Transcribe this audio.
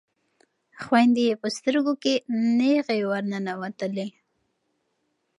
خویندې یې په سترګو کې نیغې ورننوتلې.